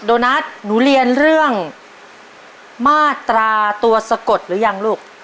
โดนัทหนูเรียนเรื่องมาตราตัวสะกดหรือยังลูก